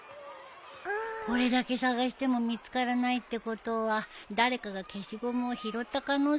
これだけ捜しても見つからないってことは誰かが消しゴムを拾った可能性もあるね。